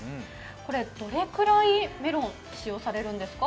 どれくらいメロン使用されるんですか？